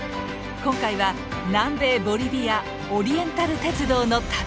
今回は南米ボリビアオリエンタル鉄道の旅。